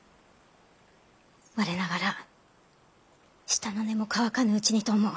我ながら舌の根も乾かぬうちにと思う。